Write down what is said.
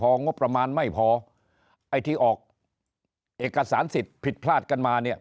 พองบประมาณไม่พอไอ้ที่ออกเอกสารสิทธิ์ผิดพลาดกันมาเนี่ย